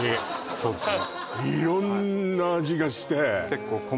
そうですね